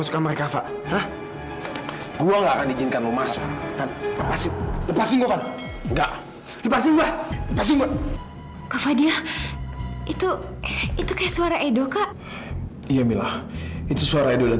kafa papa datang